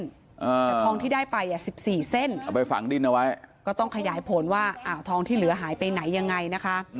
แต่ทองที่ได้ไป๑๔เส้นก็ต้องขยายผลว่าทองที่เหลือหายไปไหนยังไงนะคะ